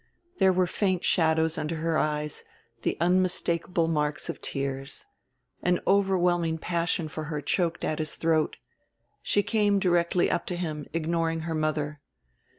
There were faint shadows under her eyes, the unmistakable marks of tears. An overwhelming passion for her choked at his throat. She came directly up to him, ignoring her mother.